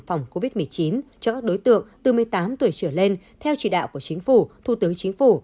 phòng covid một mươi chín cho các đối tượng từ một mươi tám tuổi trở lên theo chỉ đạo của chính phủ thủ tướng chính phủ